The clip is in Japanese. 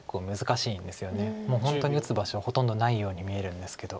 もう本当に打つ場所ほとんどないように見えるんですけど。